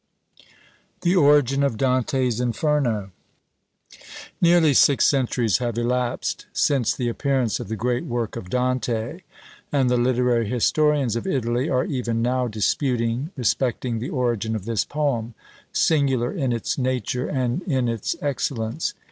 THE ORIGIN OF DANTE'S INFERNO. Nearly six centuries have elapsed since the appearance of the great work of Dante, and the literary historians of Italy are even now disputing respecting the origin of this poem, singular in its nature and in its excellence.